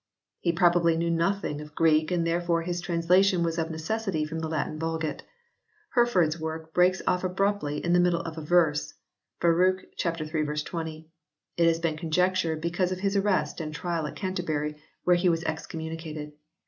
He probably knew nothing of Greek and therefore his translation was of necessity from the Latin Vulgate. Hereford s work breaks off abruptly in the middle of a verse (Baruch iii. 20), it has been conjectured be cause of his arrest and trial at Canterbury where he was excommunicated.